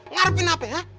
ngarepin apa ya